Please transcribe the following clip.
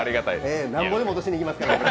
ええ、なんぼでも出しに行きますから。